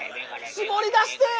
絞り出して！